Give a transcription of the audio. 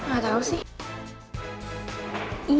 gak tau sih